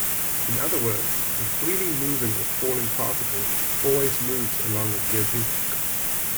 In other words, a freely moving or falling particle always moves along a geodesic.